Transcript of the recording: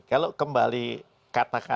kalau kembali katakanlah